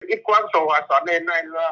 ít quan sổ hóa cho nên là